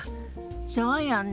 そうよね。